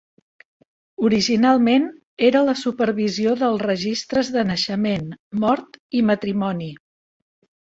Originalment, era la supervisió dels registres de naixement, mort i matrimoni.